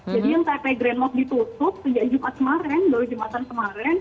jadi yang taipei grand mosque ditutup sejak jumat kemarin dari jumatan kemarin